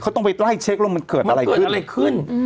เขาต้องไปไล่เช็คแล้วมันเกิดอะไรขึ้น